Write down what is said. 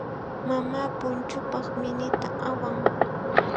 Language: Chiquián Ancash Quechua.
Mamaa punchuupaq minita awan.